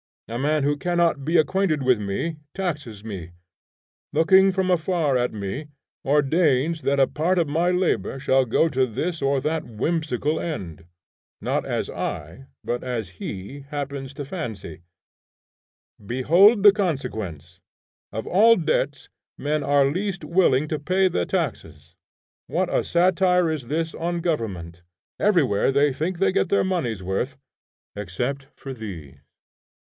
A man who cannot be acquainted with me, taxes me; looking from afar at me ordains that a part of my labor shall go to this or that whimsical end, not as I, but as he happens to fancy. Behold the consequence. Of all debts men are least willing to pay the taxes. What a satire is this on government! Everywhere they think they get their money's worth, except for these.